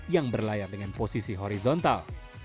yang berlayar dengan posisi horizontal